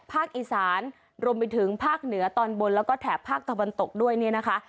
ภาคอีสานรวมไปถึงภาคเหนือตอนบนแล้วก็แถบภาคตะวันตกด้วยเนี่ยนะคะ